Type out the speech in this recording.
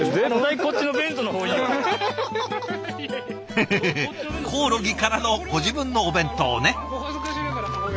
フフフコオロギからのご自分のお弁当ね。